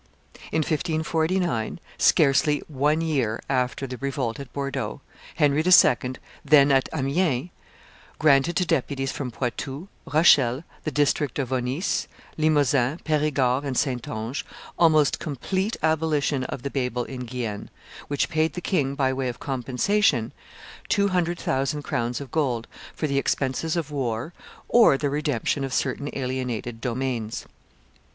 In 1549, scarcely a year after the revolt at Bordeaux, Henry II., then at Amiens, granted to deputies from Poitou, Rochelle, the district of Aunis, Limousin, Perigord, and Saintonge, almost complete abolition of the Babel in Guienne, which paid the king, by way of compensation, two hundred thousand crowns of gold for the expenses of war or the redemption of certain alienated domains.